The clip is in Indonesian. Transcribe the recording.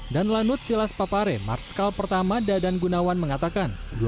dan lanut silas papare marskal pertama dadan gunawan mengatakan